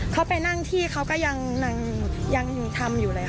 เขาไปนั่งที่เขาก็ยังทำอยู่เลยค่ะ